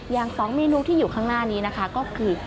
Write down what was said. อย่าง๒เมนูที่อยู่ข้างหน้านี้คือ